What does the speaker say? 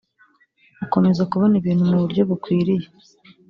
ukomeza kubona ibintu mu buryo bukwiriye